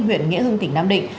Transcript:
huyện nghĩa hưng tỉnh nam định